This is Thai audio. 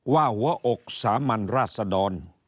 ว่าหัวอกสามันราชสะดอน